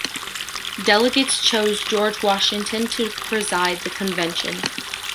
Delegates chose George Washington to preside the Convention.